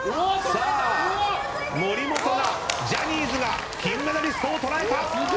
さあ森本がジャニーズが金メダリストを捉えた。